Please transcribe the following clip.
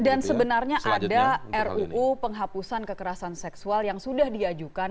dan sebenarnya ada ruu penghapusan kekerasan seksual yang sudah diajukan